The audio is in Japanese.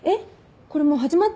これもう始まってんの？